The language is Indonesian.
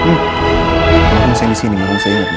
nih mau kamu sayang disini mau kamu sayang disini